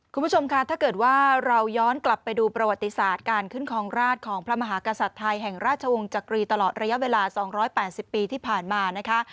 คุณผู้ชมค่ะถ้าเกิดว่าเราย้อนกลับไปดูประวัติศาสตร์การขึ้นครองราชของพระมหากษัตริย์ไทยแห่งราชวงศ์จักรีตลอดระยะเวลา๒๘๐ปีที่ผ่านมานะคะ